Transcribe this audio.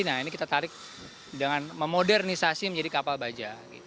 nah ini kita tarik dengan memodernisasi menjadi kapal baja